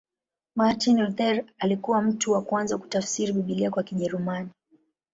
Martin Luther alikuwa mtu wa kwanza kutafsiri Biblia kwa Kijerumani.